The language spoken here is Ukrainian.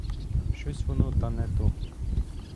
Щось воно та не то.